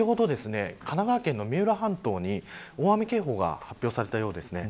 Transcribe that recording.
先ほど神奈川県の三浦半島に大雨警報が発表されたようです。